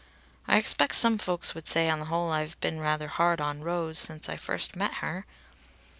I expect some folks would say on the whole I've been rather hard on Rose since I first met her!